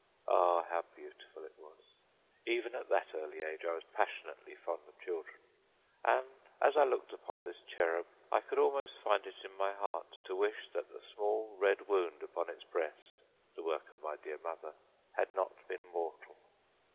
Ah, how beautiful it was! Even at that early age I was passionately fond of children, and as I looked upon this cherub I could almost find it in my heart to wish that the small, red wound upon its breast the work of my dear mother had not been mortal.